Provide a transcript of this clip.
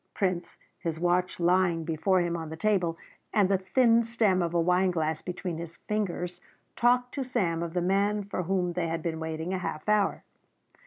Prince, his watch lying before him on the table and the thin stem of a wine glass between his fingers, talked to Sam of the man for whom they had been waiting a half hour.